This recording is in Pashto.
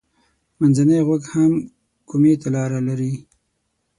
منځنی غوږ هم کومي ته لاره لري.